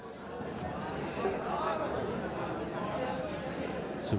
สวิทย์กาลีชิตครับ